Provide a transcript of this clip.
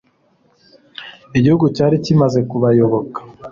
igihugu cyari kimaze kubayoboka